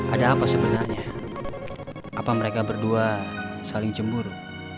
ada apa sebenarnya apa mereka berdua saling cemburu